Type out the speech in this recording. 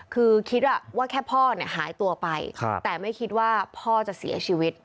คือคิดว่าแค่พ่อเนี่ยหายตัวไปแต่ไม่คิดว่าพ่อจะเสียชีวิต